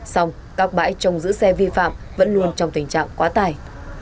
xong các bãi trong giữ xe vi phạm vẫn luôn trong tình trạng quá tải